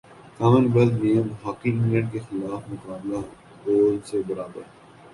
common wealth games hockey England کیخلاف مقابلہ goals سے برابر